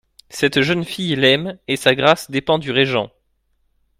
Cette jeune fille l'aime ; et sa grâce dépend du régent.